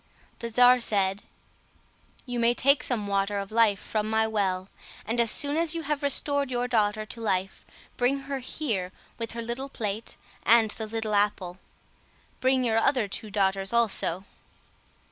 The czar said, "You may take some water of life from my well, and as soon as you have restored your daughter to life, bring her here with her little plate and the little apple; bring your other two daughters also."